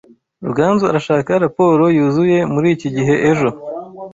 Ruganzu arashaka raporo yuzuye muriki gihe ejo.